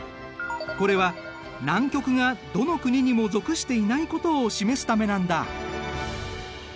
これは南極がどの国にも属していないことを示すためなんだ。